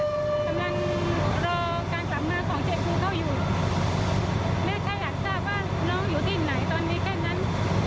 กำลังรอการกลับมาของเจ๊ครูเขาอยู่แม่แค่อยากทราบว่าน้องอยู่ที่ไหนตอนนี้แค่นั้น